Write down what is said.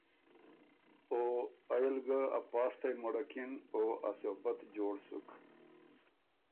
او ائ ال ګه ا پاستئ مړکِن او ا صوبت جوړ سُک۔